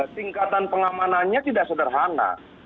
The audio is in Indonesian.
tingkatan pengamanannya tidak sederhana